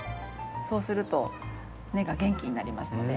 そうすると根が元気になりますので。